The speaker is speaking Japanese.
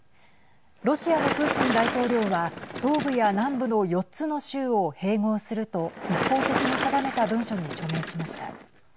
ロシアのプーチン大統領は東部や南部の４つの州を併合すると一方的に定めた文書に署名しました。